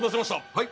はい。